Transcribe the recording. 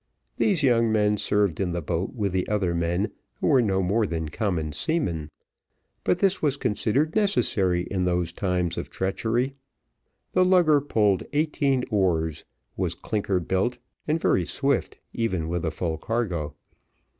These young men served in the boat with the other men, who were no more than common seamen; but this was considered necessary in those times of treachery. The lugger pulled eighteen oars, was clinker built, and very swift, even with a full cargo.